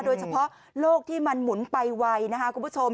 โดยเฉพาะโลกที่มันหมุนไปไวนะคะคุณผู้ชม